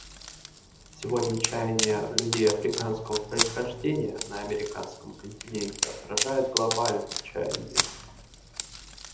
Сегодня чаяния людей африканского происхождения на Американском континенте отражают глобальные чаяния.